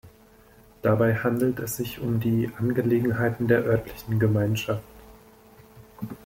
Dabei handelt es sich um die Angelegenheiten der örtlichen Gemeinschaft.